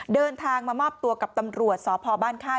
เดินทางมามอบตัวกับตำรวจสพบ้านค่าย